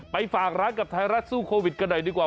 ฝากร้านกับไทยรัฐสู้โควิดกันหน่อยดีกว่า